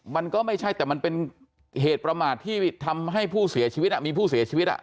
มันก็ไม่ใช่แต่มันเป็นเหตุประมาทที่ทำให้ผู้เสียชีวิตมีผู้เสียชีวิต